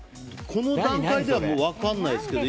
この段階では分からないですけど。